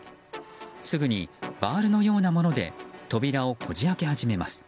すぐにバールのようなもので扉をこじ開け始めます。